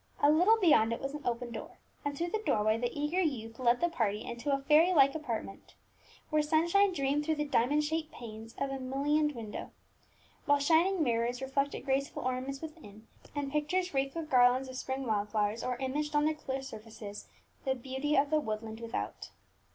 A little beyond it was an open door, and through the doorway the eager youth led the party into a fairy like apartment, where sunshine streamed through the diamond shaped panes of a mullioned window, while shining mirrors reflected graceful ornaments within, and pictures wreathed with garlands of spring wild flowers, or imaged on their clear surfaces the beauty of the woodland without.